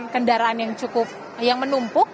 kendaraan yang cukup yang menumpuk